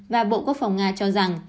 và bộ quốc phòng nga cho rằng